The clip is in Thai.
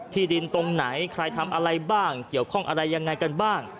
ที่ดินตรงไหนใครทำอะไรบ้างเกี่ยวข้องอะไรยังไงกันบ้าง